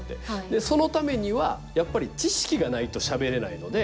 でそのためにはやっぱり知識がないとしゃべれないので。